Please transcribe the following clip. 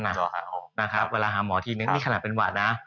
หาเวลาหาหมอทีนึงน่ะนี่ขณะเป็นหวัดนะ